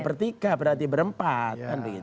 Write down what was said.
bertiga berarti berempat